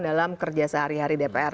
dalam kerja sehari hari dpr